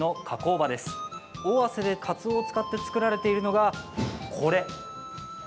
尾鷲でかつおを使って作られているのが、これ。